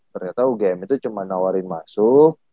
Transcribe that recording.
ternyata ugm itu cuma nawarin masuk